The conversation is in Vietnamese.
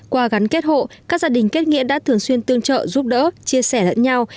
qua gắn kết hộ các gia đình kết nghĩa đã thường xuyên tương trợ giúp đỡ chia sẻ lẫn nhau